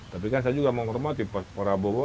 tapi kan saya juga menghormati pak prabowo